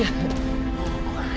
biar satu obvious merelyu